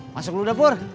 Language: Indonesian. masuk dulu dapur